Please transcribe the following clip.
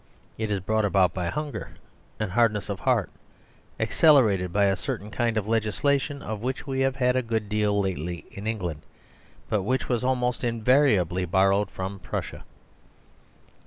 It is brought about by hunger and hardness of heart, accelerated by a certain kind of legislation, of which we have had a good deal lately in England, but which was almost invariably borrowed from Prussia.